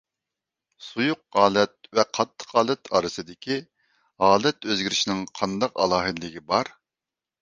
سۇيۇق ھالەت ۋە قاتتىق ھالەت ئارىسىدىكى ھالەت ئۆزگىرىشىنىڭ قانداق ئالاھىدىلىكى بار؟